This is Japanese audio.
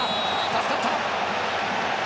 助かった。